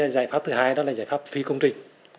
giải pháp thứ hai đó là giải pháp phi công trình